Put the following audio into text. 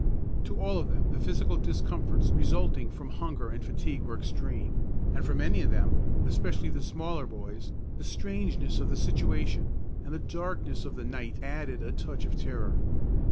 To all of them the physical discomforts resulting from hunger and fatigue were extreme; and for many of them, especially the smaller boys, the strangeness of the situation and the darkness of the night added a touch of terror.